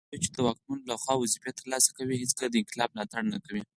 هغوی چي د واکمنو لخوا وظیفې ترلاسه کوي هیڅکله د انقلاب ملاتړ نه کوي